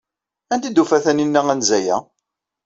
Anda ay d-tufa Taninna anza-a?